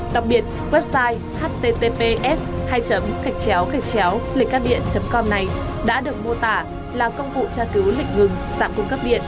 đặc biệt website https hai cạch chéo cạch chéo lịchcắtdien com này đã được mô tả là công vụ tra cứu lịch ngừng giảm cung cất điện